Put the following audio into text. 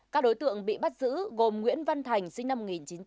các đối tượng bị bắt giữ gồm nguyễn văn thành sinh năm một nghìn chín trăm chín mươi tám